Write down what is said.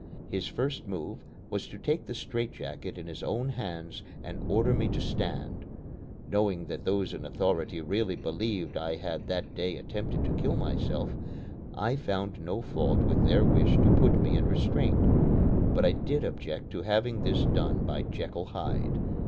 His first move was to take the straitjacket in his own hands and order me to stand. Knowing that those in authority really believed I had that day attempted to kill myself, I found no fault with their wish to put me in restraint; but I did object to having this done by Jekyll Hyde.